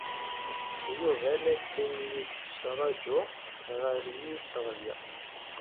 Yuba la ken-yettṛaju ɣer yiseɣli.